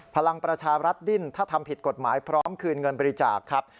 พลังประชารัฐดิ้นถ้าทำผิดกฎหมายพร้อมคืนเงินบริจาคครับ